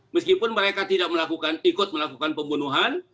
meskipun mereka tidak melakukan ikut melakukan pembunuhan